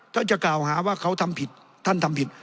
จะกล่าวหาว่าเขาทำผิดท่านทำผิด